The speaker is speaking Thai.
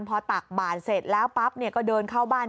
พอตักบาดเสร็จแล้วปั๊บก็เดินเข้าบ้าน